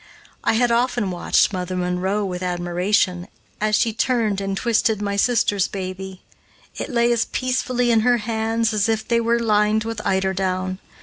I had often watched "Mother Monroe" with admiration, as she turned and twisted my sister's baby. It lay as peacefully in her hands as if they were lined with eider down.